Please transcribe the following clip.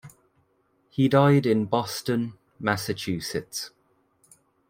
He died in Boston, Massachusetts.